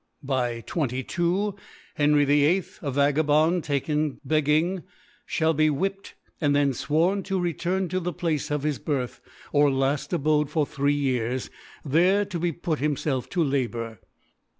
By 22 Henry VIII. A Vagabond taken begging (hall be whipped, and then fworn to return to the Place of his Birth, of laft Abode for three Years, thereto put himself to Labour.